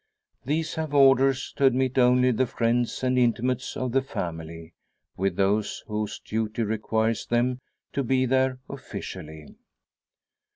These have orders to admit only the friends and intimates of the family, with those whose duty requires them to be there officially.